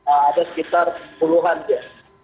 ada sekitar puluhan ya